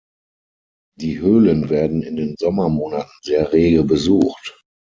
Die Höhlen werden in den Sommermonaten sehr rege besucht.